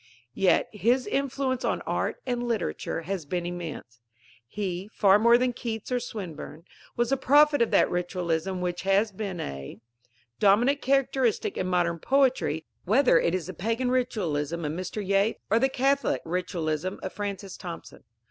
Yet his influence on art and literature has been immense. He, far more than Keats or Swinburne, was the prophet of that ritualism which has been a; dominant characteristic in modern poetry, whether it is the Pagan ritualism of Mr. Yeats or the Catholic ritualism of Francis Thompson.